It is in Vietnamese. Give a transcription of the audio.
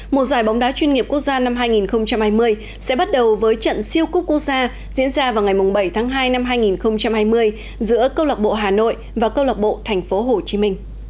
mùa giải bóng đá chuyên nghiệp quốc gia năm hai nghìn hai mươi sẽ bắt đầu với trận siêu cúp quốc gia diễn ra vào ngày bảy tháng hai năm hai nghìn hai mươi giữa câu lạc bộ hà nội và câu lạc bộ tp hcm